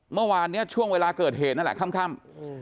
เมื่อวานนี้ช่วงเวลาเกิดเหตุนั่นแหละค่ำ